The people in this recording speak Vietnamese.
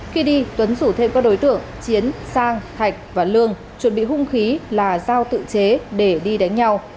khi đi tuấn rủ thêm các đối tượng chiến sang hạch và lương chuẩn bị hung khí là giao tự chế để đi đánh nhau